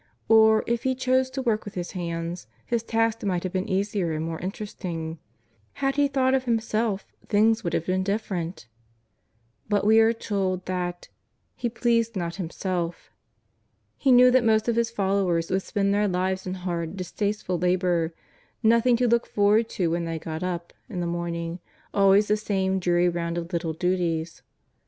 Or, if He chose to work with His hands. His tasks might have been easier and more interesting. Had He thought of Him self things would have been different. But we are told that ^' He pleased not Himself." He knew that most of His followers would spend their lives in hard, distaste ful labour — nothing to look forward to wlien they get up in .ihe morning, always the same dreary round 'of lit tle duties.